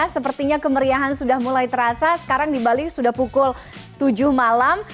sepertinya kemeriahan sudah mulai terasa sekarang di bali sudah pukul tujuh malam